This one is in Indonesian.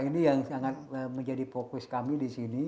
ini yang sangat menjadi fokus kami di sini